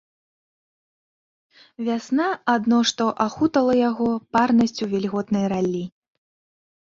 Вясна адно што ахутала яго парнасцю вільготнай раллі.